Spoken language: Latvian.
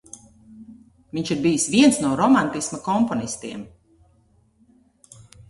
Viņš ir bijis viens no romantisma komponistiem.